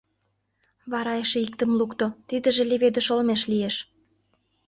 Вара эше иктым лукто, тидыже леведыш олмеш лиеш.